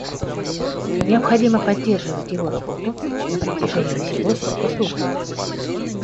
Необходимо поддерживать его работу на протяжении всего срока службы